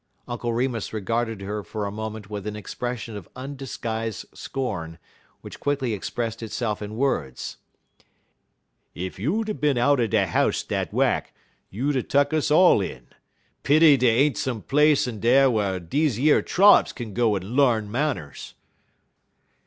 Uncle Remus regarded her for a moment with an expression of undisguised scorn, which quickly expressed itself in words: "Ef you'd er bin outer de house dat whack, you'd er tuck us all in. Pity dey ain't some place er 'n'er whar deze yer trollops kin go en l'arn manners."